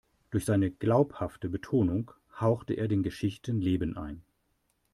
Durch seine glaubhafte Betonung haucht er den Geschichten Leben ein.